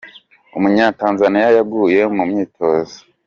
Umunyatanzaniya yaguye mu myitozo